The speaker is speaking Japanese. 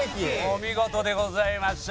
お見事でございました。